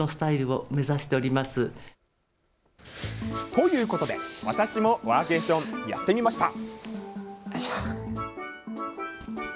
ということで、私もワーケーションやってみました。